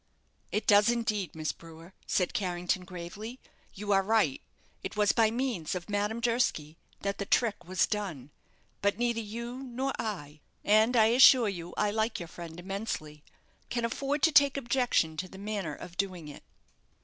"It does, indeed, Miss Brewer," said Carrington, gravely. "You are right. It was by means of Madame Durski that the trick was done; but neither you nor I and I assure you I like your friend immensely can afford to take objection to the manner of doing it.